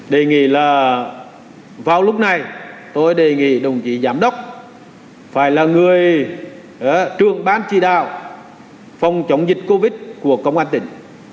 đề nghị là vào lúc này tôi đề nghị đồng chí giám đốc phải là người trưởng ban chỉ đạo phòng chống dịch covid của công an tỉnh